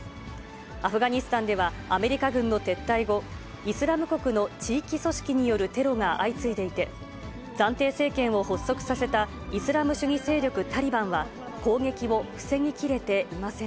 アフガニスタンでは、アメリカ軍の撤退後、イスラム国の地域組織によるテロが相次いでいて、暫定政権を発足させたイスラム主義勢力タリバンは、攻撃を防ぎきれていません。